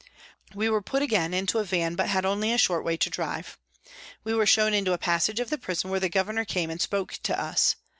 We were put again into a van, but had only a short way to drive. We were shown into a passage of the prison where the governor came and spoke to us.